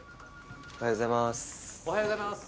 おはようございます。